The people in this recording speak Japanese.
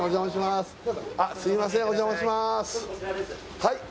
はい